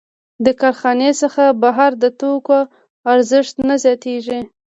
د کارخانې څخه بهر د توکو ارزښت نه زیاتېږي